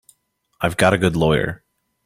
I've got a good lawyer.